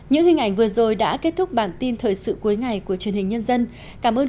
những hình ảnh vừa rồi đã kết thúc bản tin thời sự cuối ngày của truyền hình nhân dân cảm ơn